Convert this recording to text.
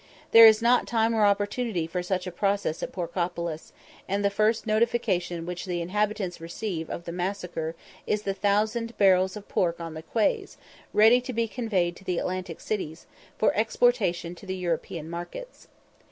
There is not time or opportunity for such a process at Porkopolis, and the first notification which the inhabitants receive of the massacre is the thousand barrels of pork on the quays, ready to be conveyed to the Atlantic cities, for exportation to the European markets.